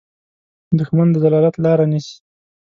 دښمن د ذلت لاره نیسي